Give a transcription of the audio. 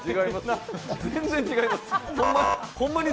全然違います。